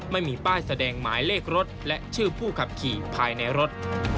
ไม่มีป้ายแสดงหมายเลขรถและชื่อผู้ขับขี่ภายในรถ